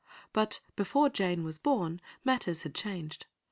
But before Jane was born, matters had changed.